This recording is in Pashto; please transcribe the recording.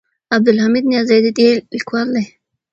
عبدالحمید نیازی د دې لیکوال دی.